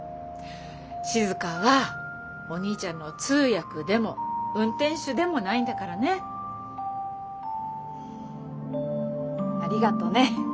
静はお兄ちゃんの通訳でも運転手でもないんだからね。ありがとね。